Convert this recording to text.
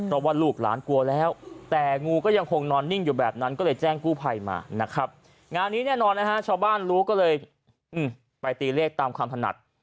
สุดท้ายก็บอกว่าคุณยายอายุเท่าไหร่จ๊ะ